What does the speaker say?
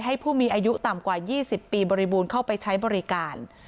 ผู้มีอายุต่ำกว่า๒๐ปีบริบูรณ์เข้าไปใช้บริการ